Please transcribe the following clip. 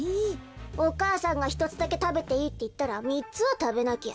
お母さんが「ひとつだけたべていい」っていったらみっつはたべなきゃ。